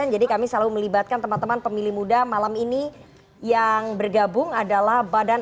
jadi kami selalu melibatkan teman teman pemilih muda malam ini yang bergabung adalah badan